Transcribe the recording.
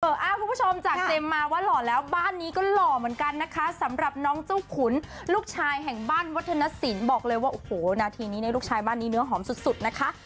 คุณผู้ชมจากเจมส์มาว่าหล่อแล้วบ้านนี้ก็หล่อเหมือนกันนะคะสำหรับน้องเจ้าขุนลูกชายแห่งบ้านวัฒนศิลป์บอกเลยว่าโอ้โหนาทีนี้เนี่ยลูกชายบ้านนี้เนื้อหอมสุดนะคะ